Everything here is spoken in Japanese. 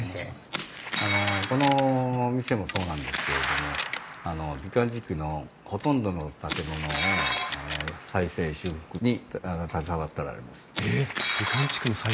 あのこの店もそうなんですけれども美観地区のほとんどの建物の再生・修復に携わっておられます。